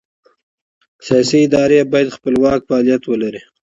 سیاسي ادارې باید خپلواک فعالیت ولري